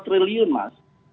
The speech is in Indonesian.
itu kan masih ada masalah